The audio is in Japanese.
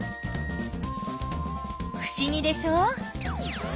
ふしぎでしょ。